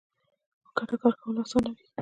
په ګډه کار کول اسانه وي